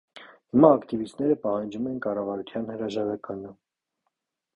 Հիմա ակտիվիստները պահանջում են կառավարության հրաժարականը։